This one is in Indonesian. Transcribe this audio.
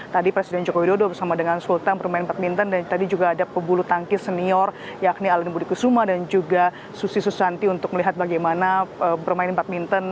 tadi presiden joko widodo bersama dengan sultan bermain badminton dan tadi juga ada pebulu tangkis senior yakni alin budi kusuma dan juga susi susanti untuk melihat bagaimana bermain badminton